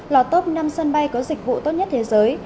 là top năm sân bay có dịch vụ tốt nhất thế giới